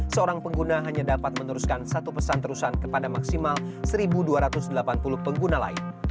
seorang pengguna hanya dapat meneruskan satu pesan terusan kepada maksimal satu dua ratus delapan puluh pengguna lain